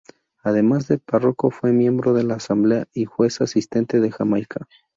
Además de párroco fue miembro de la Asamblea y Juez Asistente de Jamaica.